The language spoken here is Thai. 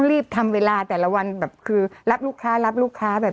โหโหโหโหโหโห